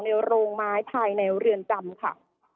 โรงไม้ภายในเรือนจำค่ะ